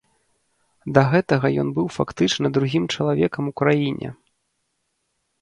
Да гэтага ён быў фактычна другім чалавекам у краіне.